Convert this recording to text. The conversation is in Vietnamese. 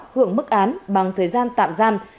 hưởng mức án bằng thời gian tạm gian